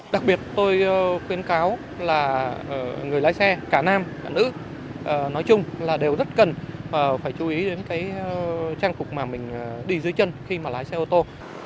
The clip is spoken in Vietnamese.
đặc biệt tôi khuyến cáo là người lái xe cả nam cả nữ nói chung là đều rất cần phải chú ý đến cái trang phục mà mình đi dưới chân khi mà lái xe ô tô